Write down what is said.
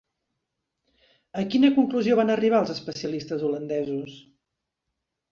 A quina conclusió van arribar els especialistes holandesos?